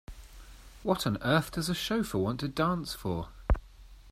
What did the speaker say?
What on earth does a chauffeur want to dance for?